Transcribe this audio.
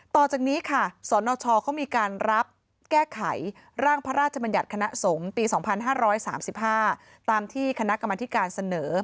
ต่อจากนี้ค่ะสนชเขามีการรับแก้ไขร่างพระราชบัญญัติคณะสงฆ์ปี๒๕๓๕ตามที่คณะกรรมธิการเสนอ